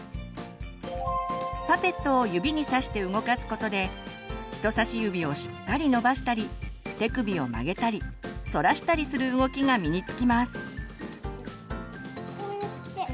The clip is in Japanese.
パペットを指にさして動かすことで人さし指をしっかり伸ばしたり手首を曲げたりそらしたりする動きが身に付きます。